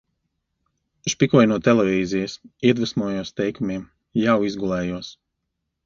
Špikoju no televīzijas, iedvesmojos teikumiem. Jau izgulējos.